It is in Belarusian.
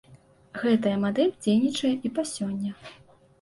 Гэтая мадэль дзейнічае і па сёння.